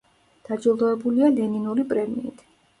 დაჯილდოებულია ლენინური პრემიით.